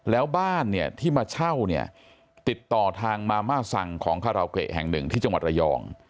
แล้วบ้านเนี่ยที่มาเช่าเนี่ยติดต่อทางมาม่าซังของคาราเกะแห่งหนึ่งที่จังหวัดระยอง